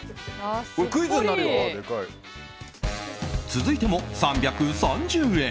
続いても３３０円。